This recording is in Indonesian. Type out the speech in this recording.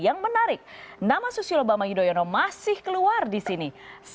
yang menarik nama susilo bambang yudhoyono masih keluar di sini